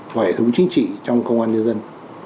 vậy hướng dẫn